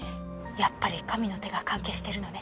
やっぱり神の手が関係してるのね。